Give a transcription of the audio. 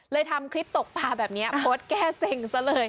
ทำคลิปตกปลาแบบนี้โพสต์แก้เซ็งซะเลย